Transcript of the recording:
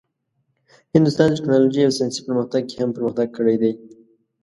هندوستان د ټیکنالوژۍ او ساینسي پرمختګ کې هم پرمختګ کړی دی.